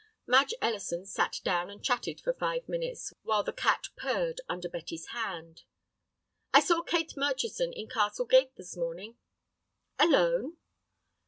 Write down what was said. Madge Ellison sat down and chatted for five minutes, while the cat purred under Betty's hand. "I saw Kate Murchison in Castle Gate this morning." "Alone?"